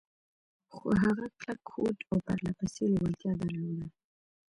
خو هغه کلک هوډ او پرله پسې لېوالتيا درلوده.